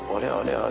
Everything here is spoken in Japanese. あれ？